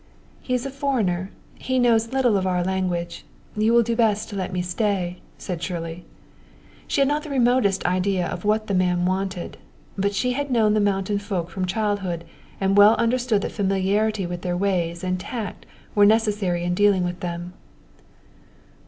"He is a foreigner he knows little of our language. You will do best to let me stay," said Shirley. She had not the remotest idea of what the man wanted, but she had known the mountain folk from childhood and well understood that familiarity with their ways and tact were necessary in dealing with them.